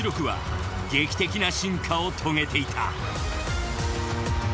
ＧＲ８６は劇的な進化を遂げていた